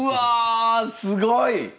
うわすごい！